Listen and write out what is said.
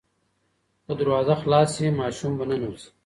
که دروازه خلاصه شي ماشوم به ننوځي.